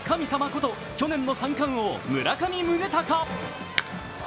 こと去年の三冠王・村上宗隆。